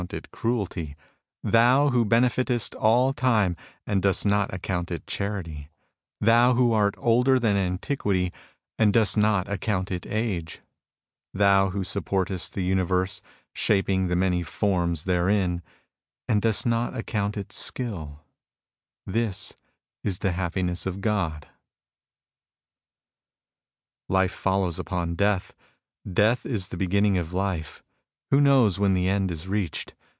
THE HAPPINESS OF GOD 61 it cruelty ; thou who benefitest all time, and dost not account it charity ; thou who art older than antiquity and dost not account it age ; thou who supportest the universe, shaping the many forms therein, and dost not account it skill ; this is the happiness of God !" Life follows upon death. Death is the be ginning of life. Who knows when the end is reached